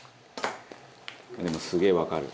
「でもすげえわかる」